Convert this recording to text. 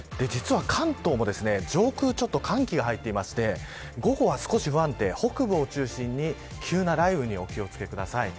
関東も上空に寒気が入っていまして午後は少し不安定北部を中心に急な雷雨にお気を付けください。